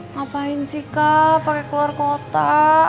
ngapain sih kak pakai keluar kota